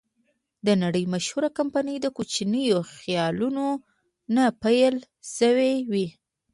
د نړۍ مشهوره کمپنۍ د کوچنیو خیالونو نه پیل شوې وې.